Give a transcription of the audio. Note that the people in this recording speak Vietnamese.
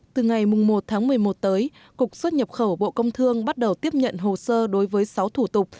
từ ngày một tháng một mươi một tới cục xuất nhập khẩu bộ công thương bắt đầu tiếp nhận hồ sơ đối với sáu thủ tục